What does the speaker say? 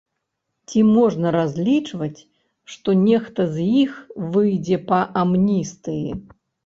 Ці можна разлічваць, што нехта з іх выйдзе па амністыі?